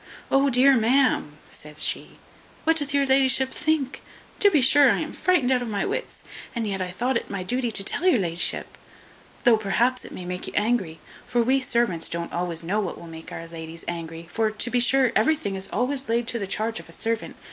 "O dear ma'am!" says she, "what doth your la'ship think? To be sure I am frightened out of my wits; and yet I thought it my duty to tell your la'ship, though perhaps it may make you angry, for we servants don't always know what will make our ladies angry; for, to be sure, everything is always laid to the charge of a servant.